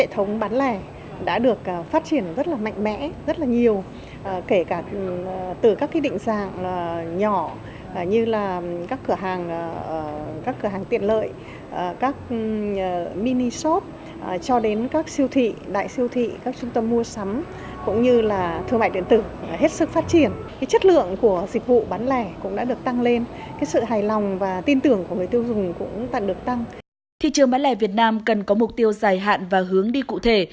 thị trường bán lẻ việt nam cần có mục tiêu dài hạn và hướng đi cụ thể